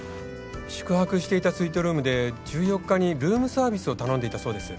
宿泊していたスイートルームで１４日にルームサービスを頼んでいたそうです。